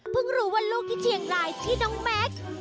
พึ่งรู้ว่าลูกที่เฉียงรายที่น้องแม็กส์